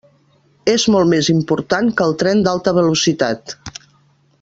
És molt més important que el tren d'alta velocitat.